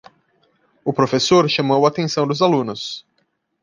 O professor chamou a atenção dos alunos.